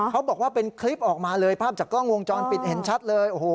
เขาบอกว่าเป็นคลิปออกมาเลยภาพจากกล้องวงจรปิดเห็นชัดเลยโอ้โห